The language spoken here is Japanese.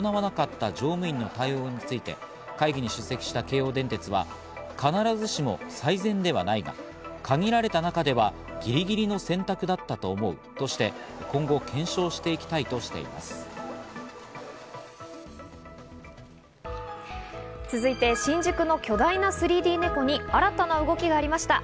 そして今回ドアを開ける操作を行わなかった乗務員の対応について会議に出席した京王電鉄は必ずしも最善ではないが、限られた中ではぎりぎりの選択だったと思うとして今後、検証していきたいとして続いて、新宿の巨大な３Ｄネコに新たな動きがありました。